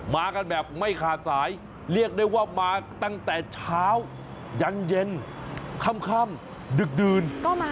มากันแบบไม่ขาดสายเรียกได้ว่ามาตั้งแต่เช้ายันเย็นค่ำดึกดื่น